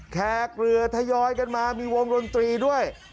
แขกเรือทยอยกันมามีวงดนตรีด้วย